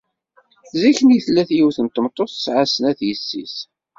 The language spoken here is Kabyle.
Zik-nni, tella yiwet n tmeṭṭut tesɛa snat yessi-s.